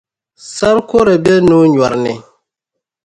Sana kɔrɛ be no’ nyɔri ni.